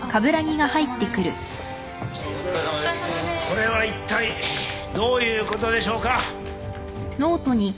これはいったいどういうことでしょうか？